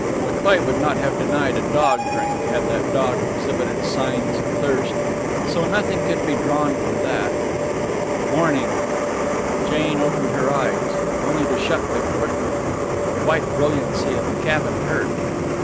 But Cleigh would not have denied a dog drink had the dog exhibited signs of thirst. So nothing could be drawn from that. Morning. Jane opened her eyes, only to shut them quickly. The white brilliancy of the cabin hurt.